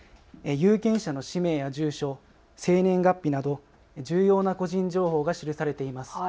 有権者の氏名や住所、生年月日など重要な個人情報が記されています。